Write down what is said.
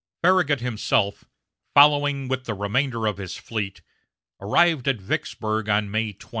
Farragut himself, following with the remainder of his fleet, arrived at Vicksburg on May 20.